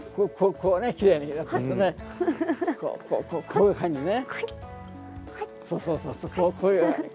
こういう感じね。